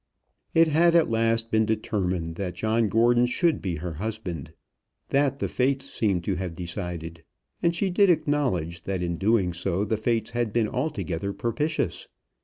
It had at last been determined that John Gordon should be her husband. That the fates seem to have decided, and she did acknowledge that in doing so the fates had been altogether propitious.